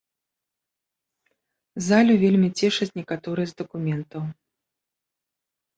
Залю вельмі цешаць некаторыя з дакументаў.